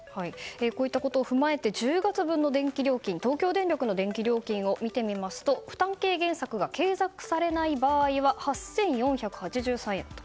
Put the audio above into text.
こういったことを踏まえて１０月分の東京電力の電気料金を見てみますと負担軽減策が継続されない場合は８４８３円と。